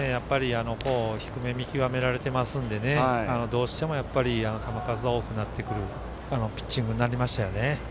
低めを見極められてるのでどうしても球数は多くなってくるピッチングになりましたよね。